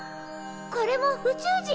これも宇宙人？